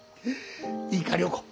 いいか良子。